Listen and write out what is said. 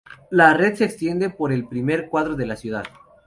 La red se extiende por el primer cuadro de la ciudad.